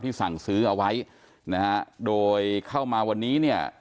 สั่งซื้อเอาไว้นะฮะโดยเข้ามาวันนี้เนี่ย